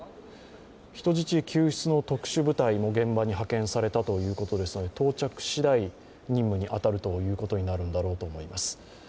人質救出の特殊部隊の現場に派遣されたということですので到着しだい、任務に当たることになるんだろうと思います。